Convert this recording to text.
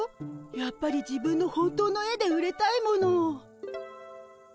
やっぱり自分の本当の絵で売れたいもの。